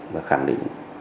và khẳng định